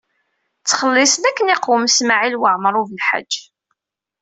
Ttxelliṣen akken iqwem Smawil Waɛmaṛ U Belḥaǧ.